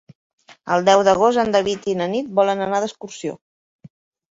El deu d'agost en David i na Nit volen anar d'excursió.